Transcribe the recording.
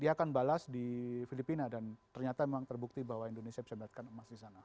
dia akan balas di filipina dan ternyata memang terbukti bahwa indonesia bisa mendapatkan emas di sana